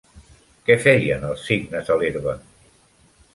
Què feien els cignes a l'herba?